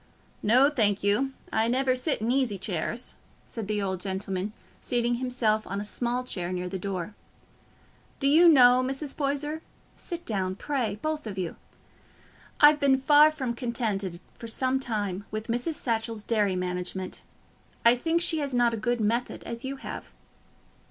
"No, thank you, I never sit in easy chairs," said the old gentleman, seating himself on a small chair near the door. "Do you know, Mrs. Poyser—sit down, pray, both of you—I've been far from contented, for some time, with Mrs. Satchell's dairy management. I think she has not a good method, as you have."